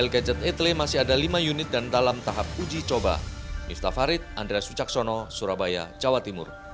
kita taat dan tahu sudah udah apa pak